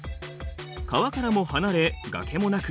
川からも離れ崖もなく